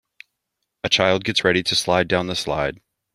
A child gets ready to slide down the slide.